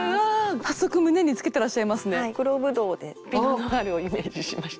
黒ブドウでピノ・ノワールをイメージしました。